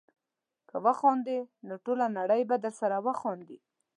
که وخاندې نو ټوله نړۍ به درسره وخاندي.